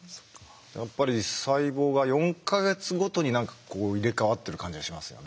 やっぱり細胞が４か月ごとに入れ代わってる感じがしますよね。